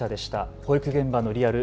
保育現場のリアル。